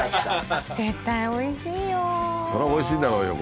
絶対美味しいよ